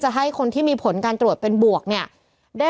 เพราะว่าตอนนี้พอยอดโควิดขึ้นยอดผู้เสียชีวิตเราก็ขึ้นด้วย